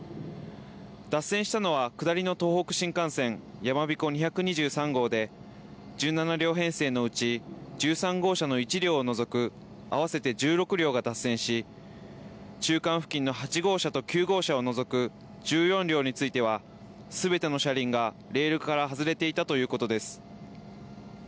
脱線したのは下りの東北新幹線やまびこ２２３号で１７両編成のうち１３号車の１両除く合わせて１６両が脱線し、中間付近の８号車と９号車を除く１４両については、すべての車輪がレールから外れていたということです。